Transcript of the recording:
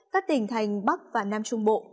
các tỉnh thành bắc và nam trung bộ